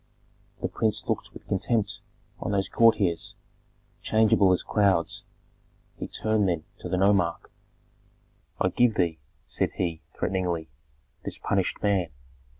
The prince looked with contempt on those courtiers, changeable as clouds; he turned then to the nomarch. "I give thee," said he, threateningly, "this punished man.